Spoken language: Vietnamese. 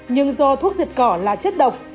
nhưng do thuốc diệt cỏ là chất lượng